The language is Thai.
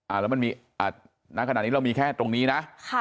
อ่าแล้วมันมีนั้นขนาดนี้เรามีแค่ตรงนี้นะ